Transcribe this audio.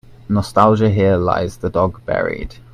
Nostalgia Here lies the dog buried.